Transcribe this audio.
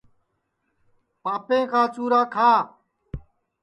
پاپے کا چُرا کھاؤں گا